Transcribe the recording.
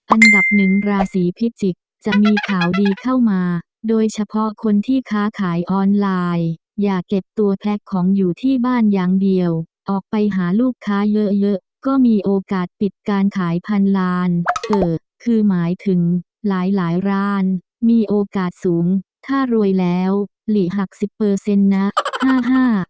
อันดับหนึ่งราศีพิจิกษ์จะมีข่าวดีเข้ามาโดยเฉพาะคนที่ค้าขายออนไลน์อย่าเก็บตัวแพ็คของอยู่ที่บ้านอย่างเดียวออกไปหาลูกค้าเยอะเยอะก็มีโอกาสปิดการขายพันล้านเออคือหมายถึงหลายหลายร้านมีโอกาสสูงถ้ารวยแล้วหลีหักสิบเปอร์เซ็นต์นะห้าห้า